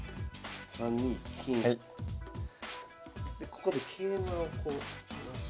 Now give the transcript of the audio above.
ここで桂馬をこう。